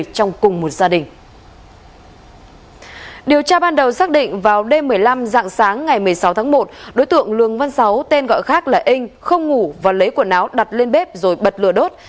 điều tra ban đầu xác định vào đêm một mươi năm dạng sáng ngày một mươi sáu tháng một đối tượng lường văn sáu tên gọi khác là inch không ngủ và lấy quần áo đặt lên bếp rồi bật lửa đốt